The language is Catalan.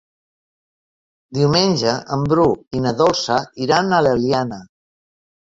Diumenge en Bru i na Dolça iran a l'Eliana.